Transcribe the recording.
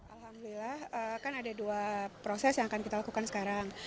alhamdulillah kan ada dua proses yang akan kita lakukan sekarang